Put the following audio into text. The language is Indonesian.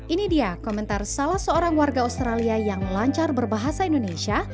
ini dia komentar salah seorang warga australia yang lancar berbahasa indonesia